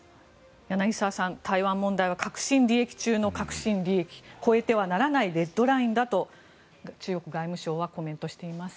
柳澤さん、台湾問題は核心利益中の核心利益越えてはならないレッドラインだと中国外務省はコメントしています。